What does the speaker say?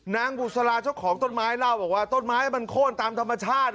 นางบุษราช่วงของต้นไม้เล่าว่าต้นไม้มันโค้ดตามธรรมชาติ